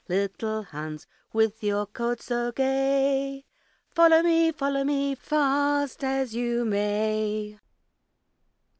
Little Hans, with your coat so gay, Follow me, follow me, fast as you may."